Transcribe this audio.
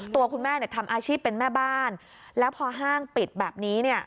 ตัวคุณแม่เนี่ยทำอาชีพเป็นแม่บ้านแล้วพอห้างปิดแบบนี้เนี่ย